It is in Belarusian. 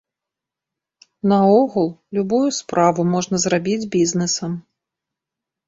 Наогул, любую справу можна зрабіць бізнесам.